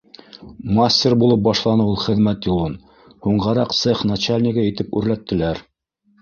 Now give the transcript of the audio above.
Мастер булып башланы ул хеҙмәт юлын, һуңғараҡ цех начальнигы итеп үрләттеләр.